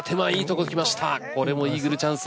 これもイーグルチャンス。